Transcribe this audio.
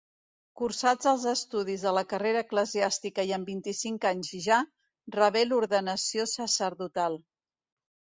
Cursats els estudis de la carrera eclesiàstica i amb vint-i-cinc anys ja, rebé l'ordenació sacerdotal.